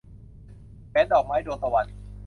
แหวนดอกไม้ - ดวงตะวัน